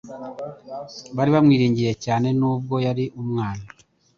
Bari bamwiringiye cyane nubwo yari umwana,